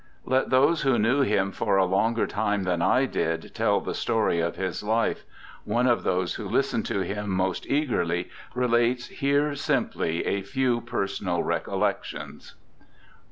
Let those who knew him for a longer time than I did, tell the story of his life. One of those who listened to him the most eagerly relates here simply a few personal recollections.